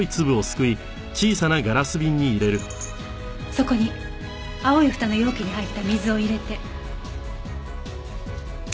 そこに青いフタの容器に入った水を入れて。